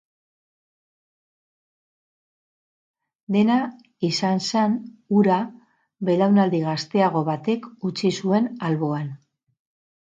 Dena izan zen hura belaunaldi gazteago batek utzi zuen alboan.